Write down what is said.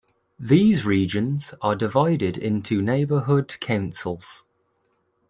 The regions are divided into neighbourhood councils.